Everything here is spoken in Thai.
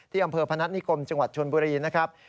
อำเภอพนัฐนิคมจังหวัดชนบุรีนะครับ